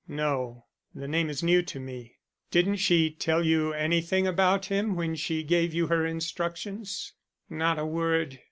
"No, the name is new to me. Didn't she tell you anything about him when she gave you her instructions?" "Not a word.